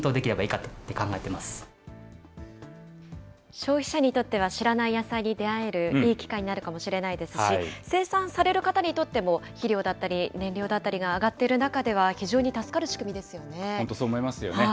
消費者にとっては知らない野菜に出会えるいい機会になるかもしれないですし、生産される方にとっても、肥料だったり燃料だったりが上がってる中では、非常に助かる仕組本当、そう思いますよね。